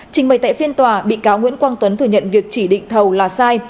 trình bày tại phiên tòa bị cáo nguyễn quang tuấn thừa nhận việc chỉ định thầu là sai